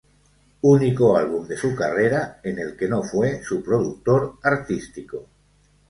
Único álbum de su carrera en el que no fue su productor artístico.